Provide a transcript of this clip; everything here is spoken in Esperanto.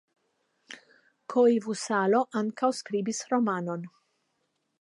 Koivusalo ankaŭ skribis romanon.